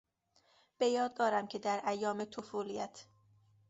به یاد دارم که در ایام طفولیت...